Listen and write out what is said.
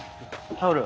タオル。